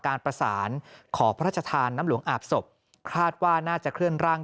การประสานขอพระราชทานน้ำหลวงอาบศพคาดว่าน่าจะเคลื่อนร่าง